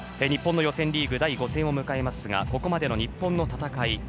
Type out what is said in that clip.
日本の予選リーグ第５戦ですがここまでの日本の戦い